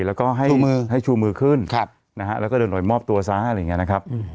แล้วก็ให้ชูมือขึ้นนะฮะแล้วก็เดินออกไปมอบตัวซะอะไรอย่างนี้นะครับ